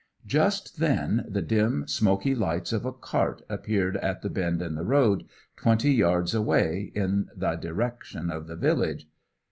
Just then the dim, smoky lights of a cart appeared at the bend in the road, twenty yards away, in the direction of the village.